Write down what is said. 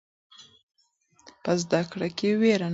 په زده کړه کې ویره نشته.